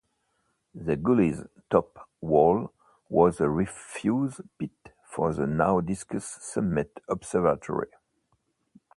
The gully's top wall was the refuse pit for the now-disused summit observatory.